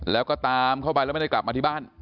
แล้วก็ตามเข้าไปแล้วไม่ได้กลับมาที่บ้าน